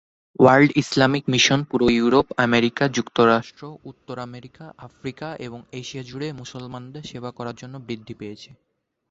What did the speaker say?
World Islamic Mission পুরো Europe, America যুক্তরাষ্ট্র, উত্তর আমেরিকা, আফ্রিকা এবং এশিয়া জুড়ে মুসলমানদের সেবা করার জন্য বৃদ্ধি পেয়েছে।